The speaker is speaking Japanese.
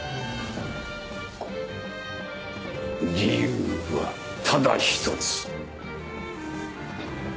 理由はただ一つ。